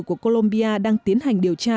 của colombia đang tiến hành điều tra